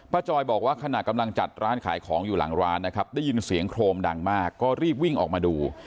จอยบอกว่าขณะกำลังจัดร้านขายของอยู่หลังร้านนะครับได้ยินเสียงโครมดังมากก็รีบวิ่งออกมาดู